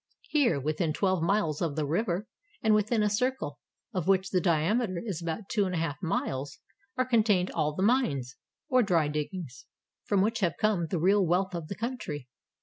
Here, within twelve miles of the river, and within a circle, of which the diameter is about two and a half miles, are contained all the mines, — or dry diggings, — from which have come the real wealth of the country.